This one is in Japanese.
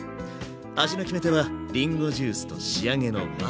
味の決め手はりんごジュースと仕上げのバター。